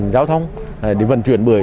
giao thông để vận chuyển bưởi